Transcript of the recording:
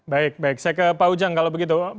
baik baik saya ke pak ujang kalau begitu